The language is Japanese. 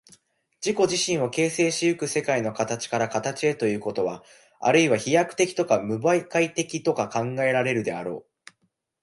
自己自身を形成し行く世界の形から形へということは、あるいは飛躍的とか無媒介的とか考えられるであろう。